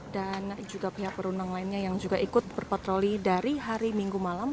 dan juga pihak perundang lainnya yang juga ikut berpatroli dari hari minggu malam